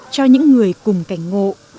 cho những người cùng cảnh ngộ